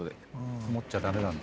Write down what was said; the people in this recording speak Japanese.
曇っちゃダメなんだ。